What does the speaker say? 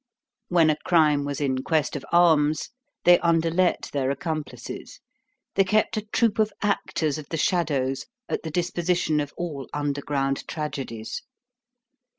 When a crime was in quest of arms, they under let their accomplices. They kept a troupe of actors of the shadows at the disposition of all underground tragedies.